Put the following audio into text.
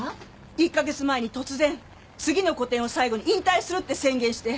１か月前に突然次の個展を最後に引退するって宣言して。